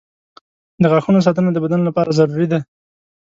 • د غاښونو ساتنه د بدن لپاره ضروري ده.